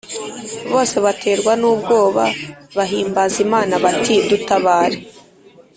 Bose baterwa n’ubwoba bahimbaza Imana bati Dutabare